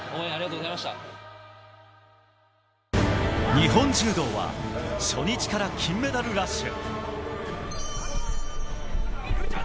日本柔道は、初日から金メダルラッシュ。